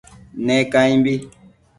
Ne caimbi